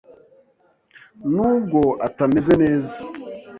n’ubwo atameze neza.